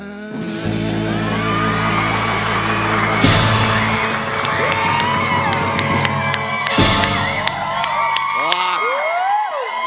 ใส่ว่าสี่บ่ทิมการ